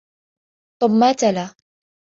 ثُمَّ تَلَا